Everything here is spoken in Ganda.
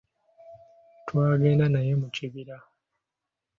Twagenda naye mu kibira.